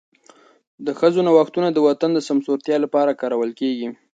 د ښځو نوښتونه د وطن د سمسورتیا لپاره کارول کېږي.